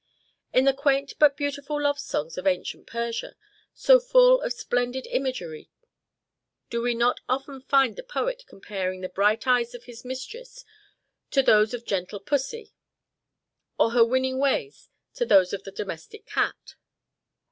In the quaint but beautiful love songs of ancient Persia, so full of splendid imagery, do we not often find the poet comparing the bright eyes of his mistress to those of gentle pussy, or her winning ways to those of the domestic cat?"